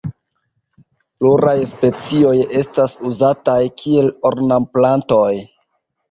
Pluraj specioj estas uzataj kiel ornamplantoj.